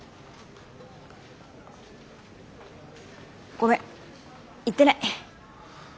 ごめん言ってない。